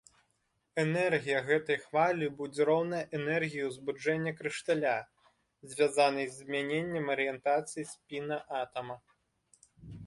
Энергія гэтай хвалі будзе роўная энергіі ўзбуджэння крышталя, звязанай з змяненнем арыентацыі спіна атама.